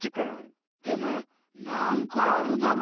でもなんかあるだろ？